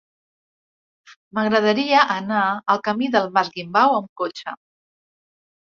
M'agradaria anar al camí del Mas Guimbau amb cotxe.